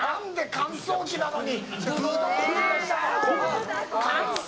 乾燥機なのに。